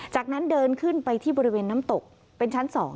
จากนั้นเดินขึ้นไปที่บริเวณน้ำตกเป็นชั้น๒